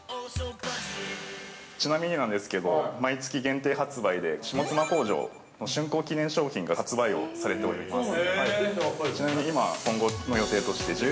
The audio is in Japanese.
◆ちなみになんですけど、毎月限定発売で、下妻工場の竣工記念商品が発売をされております。